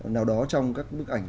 nào đó trong các bức ảnh